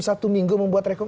satu minggu membuat rekom